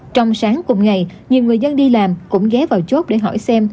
trong sáng cùng ngày nhiều người dân đi làm cũng ghé vào chốt để hỏi xem